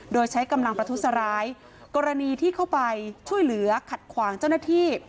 โดยใช้กำลังประทุษร้ายกรณีที่เข้าไปช่วยเหลือขัดขวางเจ้าหน้าที่